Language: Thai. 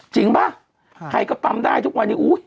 จริงป่ะใครก็ปั๊มได้ทุกวันนี้